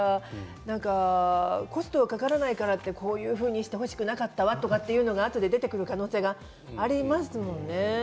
コストがかからないからとこうしてほしくなかったということが出てくる可能性がありますよね。